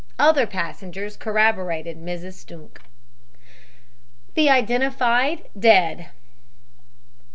Other passengers corroborated Mrs. Stunke. THE IDENTIFED DEAD.